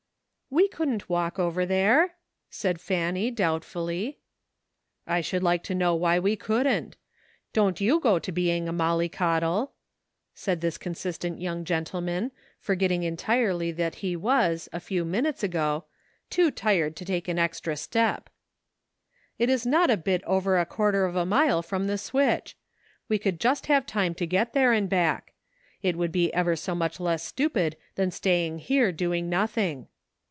"We couldn't walk over there," said Fanny doubtfully. "I should like to know why we couldn't? Don't you go to being a ' Mollie Coddle,' " said this consistent young gentleman, forgetting en tirely that he was, a few minutes ago, "too tired to take an extra step," " It is not a bit over a quarter of a mile from the switch. We would just have time to get there and back. It would be ever so much less stupid than staying here doing nothing."